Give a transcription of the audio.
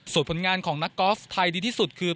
ส่วนผลงานของนักกอล์ฟไทยดีที่สุดคือ